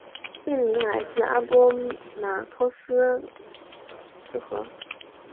县名来自阿波马托克斯河。